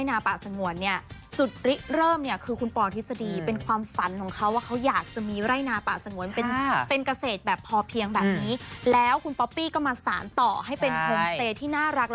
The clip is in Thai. แฮร์รัฐเต้นอาหารดูเพราะส้มตำอร่อยมาก